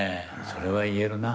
それは言えるな。